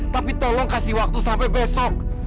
tapi tolong kasih waktu sampai besok